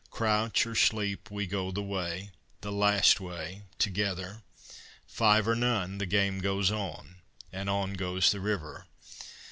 Crouch or sleep, we go the way, the last way together: Five or none, the game goes on, and on goes the river.